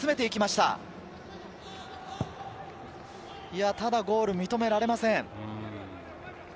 ただゴールは認められません。